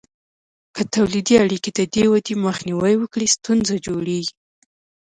که تولیدي اړیکې د دې ودې مخنیوی وکړي، ستونزه جوړیږي.